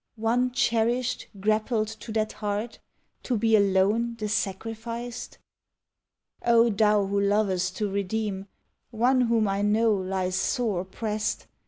One, cherished, grappled to that heart? —To be alone the Sacrificed? O Thou who lovest to redeem, One whom I know lies sore oppressed.